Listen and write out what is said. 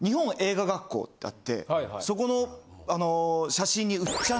ってあってそこの写真に。